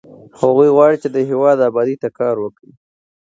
هغوی غواړي چې د هېواد ابادۍ ته کار وکړي.